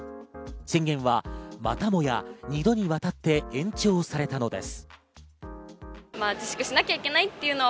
宣言は、またもや二度にわたって延長されたのです。